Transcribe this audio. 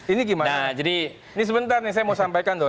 ini sebentar nih saya mau sampaikan